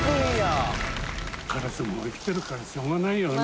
カラスも生きてるから、しょうがないよね。